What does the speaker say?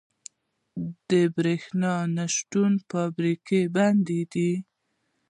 برښنا نشتون فابریکې بندوي.